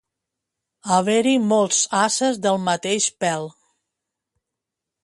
Haver-hi molts ases del mateix pèl.